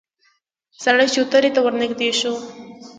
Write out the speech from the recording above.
سړی چوترې ته ورنږدې شو.